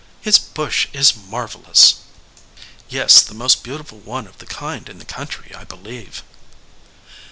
"His bush is marvelous." "Yes, the most beautiful one of the kind in the country, I believe."